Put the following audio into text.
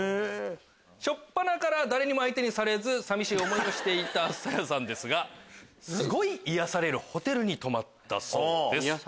初っぱなから誰にも相手にされず寂しい思いをしていたんですがすごい癒やされるホテルに泊まったそうです。